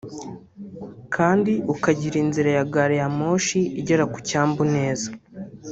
kandi ukagira inzira ya gare ya moshi igera ku cyambu neza